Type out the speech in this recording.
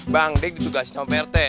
bang dik ditugasin sama pak rt